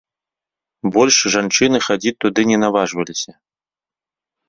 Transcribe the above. Больш жанчыны хадзіць туды не наважваліся.